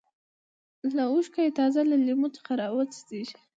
لکه اوښکه چې تازه له لیمو څخه راوڅڅېږي.